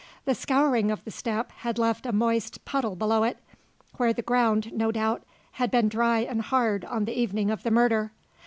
The scouring of the step had left a moist puddle below it, where the ground, no doubt, had been dry and hard on the evening of the murder.